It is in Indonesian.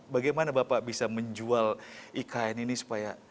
bagaimana bapak bisa menjual ikn ini supaya